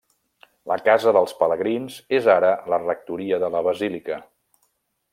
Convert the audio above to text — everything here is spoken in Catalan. La casa dels pelegrins és ara la rectoria de la basílica.